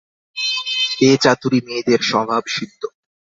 এ চাতুরী মেয়েদের স্বভাবসিদ্ধ।